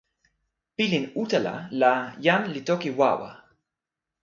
pilin utala la jan li toki wawa.